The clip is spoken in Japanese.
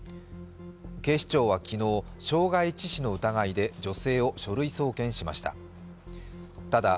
警視庁は昨日、傷害致死の疑いで女性を書類送検しました。